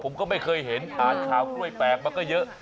ผมก็ไม่เคยเห็นอ่านข่าวกล้วยแปลกมาก็เยอะ